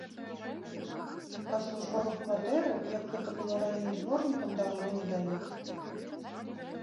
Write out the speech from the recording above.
А службовых кватэраў, як гэта было раней, дворнікам даўно не даюць.